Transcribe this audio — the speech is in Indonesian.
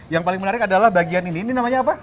yang paling menarik adalah bagian ini ini namanya apa